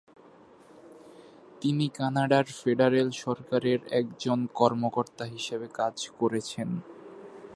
তিনি কানাডার ফেডারেল সরকারের একজন কর্মকর্তা হিসেবে কাজ করেছেন।